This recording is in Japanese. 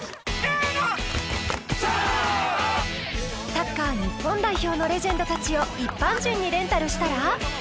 サッカー日本代表のレジェンドたちを一般人にレンタルしたら？